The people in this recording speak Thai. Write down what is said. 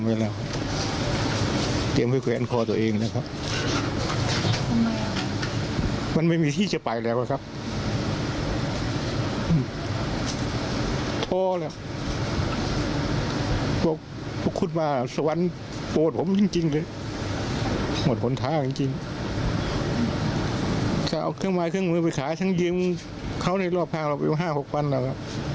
มันโปรดผมจริงหลวดสนท้ายจริง